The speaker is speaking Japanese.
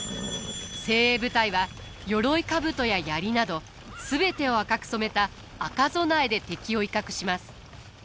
精鋭部隊は鎧兜や槍など全てを赤く染めた赤備えで敵を威嚇します。